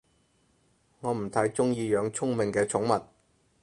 我唔太鍾意養聰明嘅寵物